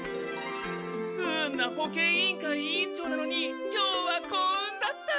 不運な保健委員会委員長なのに今日は幸運だった！